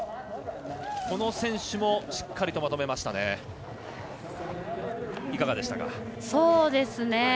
この選手もしっかりとまとめましたね。